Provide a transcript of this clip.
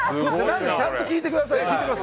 ちゃんと聞いてくださいよ。